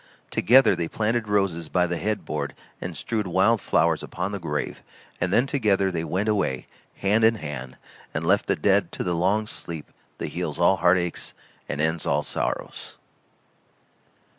Together they planted roses by the headboard and strewed wild flowers upon the grave; and then together they went away, hand in hand, and left the dead to the long sleep that heals all heart aches and ends all sorrows.